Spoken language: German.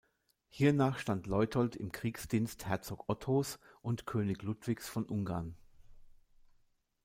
Hiernach stand Leutold im Kriegsdienst Herzog Ottos und König Ludwigs von Ungarn.